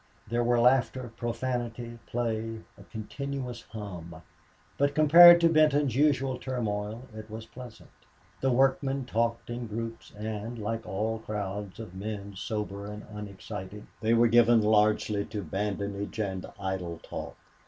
There were laughter, profanity, play a continuous hum, but compared to Benton's usual turmoil, it was pleasant. The workmen talked in groups, and, like all crowds of men sober and unexcited, they were given largely to badinage and idle talk.